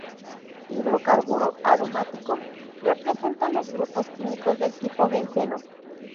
Hidrocarburo aromático, representa los grupos químicos del tipo benceno.